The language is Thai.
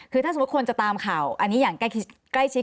คือถ้าสมมุติคนจะตามข่าวอันนี้อย่างใกล้ชิด